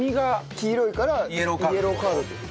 黄色いからイエローカードって事？